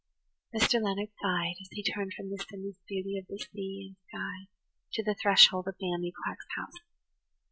Mr. Leonard sighed as he turned from the sinless beauty of the sea and sky to the threshold of Naomi Clark's house.